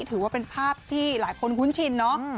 ถือว่าเป็นภาพที่หลายคนคุ้นชินเนาะ